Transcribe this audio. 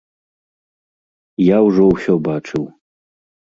Я ўжо ўсё бачыў.